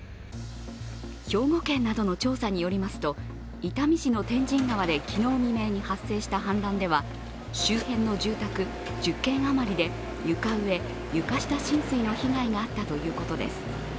兵庫県などの調査によりますと伊丹市の天神川で昨日未明に発生した氾濫では周辺の住宅１０軒余りで床上・床下浸水の被害があったということです。